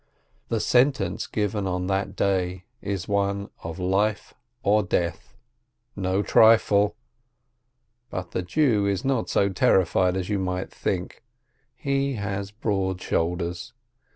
The Lentence given on that day is one of life or death. No trifle ! But the Jew is not so terrified as you might think — he has broad shoulders.